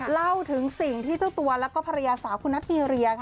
เล่าถึงสิ่งที่เจ้าตัวแล้วก็ภรรยาสาวคุณนัทมีเรียค่ะ